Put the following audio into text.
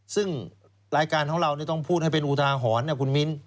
ซึ่งรายการของเราต้องพูดให้เป็นอุทาหรณ์นะคุณมิ้น